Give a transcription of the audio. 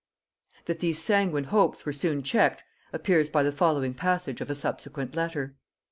That these sanguine hopes were soon checked, appears by the following passage of a subsequent letter.